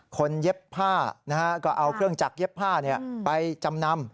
เย็บผ้าก็เอาเครื่องจักรเย็บผ้าไปจำนำ